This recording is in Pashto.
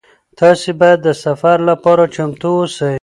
تاسي باید د سفر لپاره چمتو اوسئ.